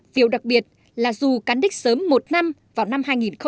điều đặc biệt là dù cán đích sớm một năm vào năm hai nghìn một mươi